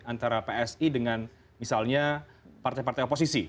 antara psi dengan misalnya partai partai oposisi